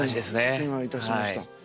気がいたしました。